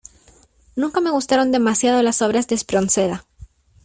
Nunca me gustaron demasiado las obras de Espronceda.